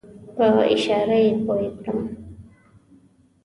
په اشاره یې پوی کړم.